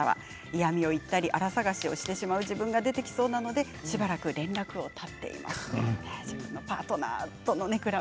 嫌みを言ったりあら探しをしてしまう自分が出てきそうなのでしばらく連絡を絶っています。